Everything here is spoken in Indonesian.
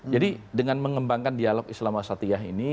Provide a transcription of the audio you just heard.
jadi dalam dialog islam wa satiyah ini